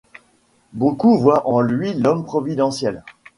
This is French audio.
Beaucoup voient en lui l'homme providentiel.